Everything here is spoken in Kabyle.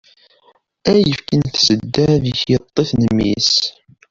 Ayefki n tsedda di tyeṭṭit n mmi-s.